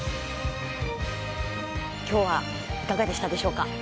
今日はいかがでしたでしょうか？